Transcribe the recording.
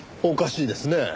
おかしいですね。